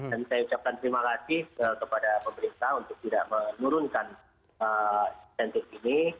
dan saya ucapkan terima kasih kepada pemerintah untuk tidak menurunkan insentif ini